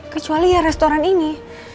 kecuali ya restoran ini